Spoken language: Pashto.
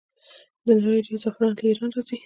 د نړۍ ډیری زعفران له ایران راځي.